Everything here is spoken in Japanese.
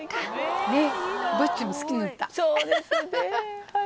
そうですねはい。